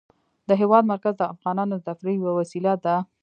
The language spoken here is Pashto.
د هېواد مرکز د افغانانو د تفریح یوه وسیله ده.